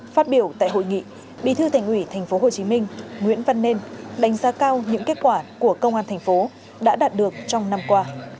phát biểu tại hội nghị bí thư thành ủy tp hcm nguyễn văn nên đánh giá cao những kết quả của công an thành phố đã đạt được trong năm qua